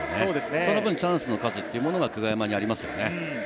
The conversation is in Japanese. その分、チャンスの数は久我山にありますね。